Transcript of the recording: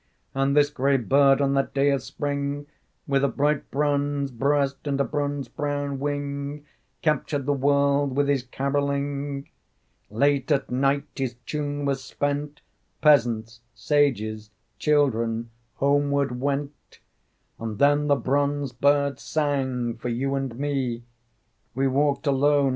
And this gray bird, on that day of spring, With a bright bronze breast, and a bronze brown wing, Captured the world with his carolling. Late at night his tune was spent. Peasants, Sages, Children, Homeward went, And then the bronze bird sang for you and me. We walked alone.